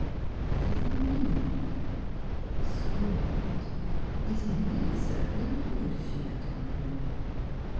" Everything we need — yes, or want is in the Encircling Good," she went on dreamily.